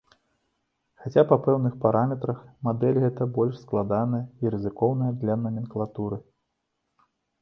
Хаця, па пэўных параметрах, мадэль гэта больш складаная і рызыкоўная для наменклатуры.